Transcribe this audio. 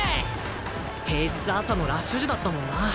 平日朝のラッシュ時だったもんな。